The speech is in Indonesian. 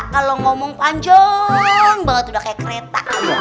kalau ngomong panjang banget udah kayak kereta